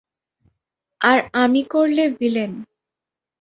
আর আমি করলে ভিলেন।